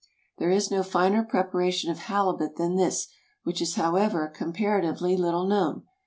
There is no finer preparation of halibut than this, which is, however, comparatively little known.